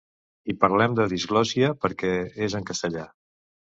I parlem de diglòssia, perquè és en castellà.